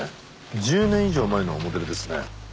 １０年以上前のモデルですね。